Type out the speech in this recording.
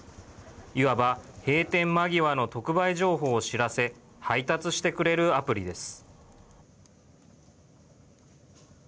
いわば閉店間際の特売情報を知らせ配達してくれるアプリです。